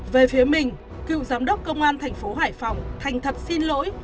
về phía mình cựu giám đốc công an thành phố hải phòng thành thật xin lỗi